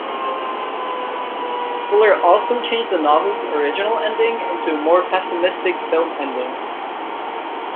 Fuller also changed the novel's original ending into a more pessimistic film ending.